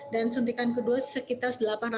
dan suntikan kedua sekitar delapan